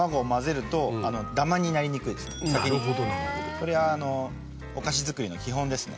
これはお菓子作りの基本ですね。